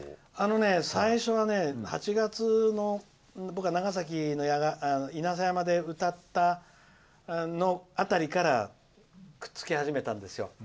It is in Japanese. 最初はね、８月の、僕は長崎の稲佐山で歌った辺りからくっつき始めたんですよ。